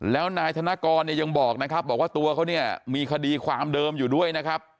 แล้วนายธนกรเนี่ยยังบอกนะครับบอกว่าตัวเขาเนี่ยมีคดีความเดิมอยู่ด้วยนะครับ